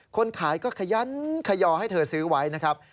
คนขายก็ขยันขยอให้เธอซื้อไว้นะครับ